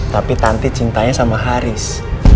tapi tante cintanya sama haris